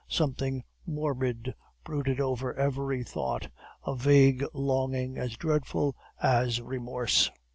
Something morbid brooded over every thought, a vague longing as dreadful as remorse.